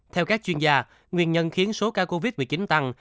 theo các chuyên gia nguyên nhân khiến số ca covid một mươi chín tăng